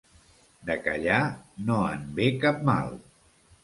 De callar no en ve cap mal.